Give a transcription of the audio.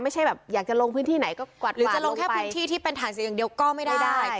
ไม่ใช่แบบอยากจะลงพื้นที่ไหนก็กวัดหรือจะลงแค่พื้นที่ที่เป็นฐานเสียงอย่างเดียวก็ไม่ได้ได้